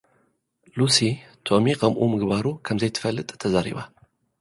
ሉሲ፡ ቶሚ ኸምኡ ምግባሩ ኸም ዘይትፈልጥ ተዛሪባ።